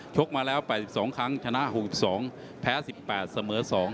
กมาแล้ว๘๒ครั้งชนะ๖๒แพ้๑๘เสมอ๒